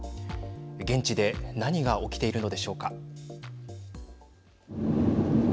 現地で何が起きているのでしょうか。